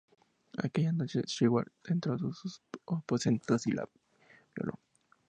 Aquella noche, Sigurd entró en sus aposentos y la violó.